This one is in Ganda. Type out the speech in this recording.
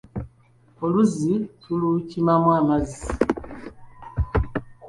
Oluzzi tulukimamu amazzi